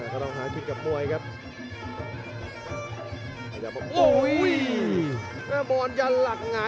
ก็ต้องหาคลิกกลับมวยครับ